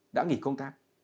đã nghỉ công tác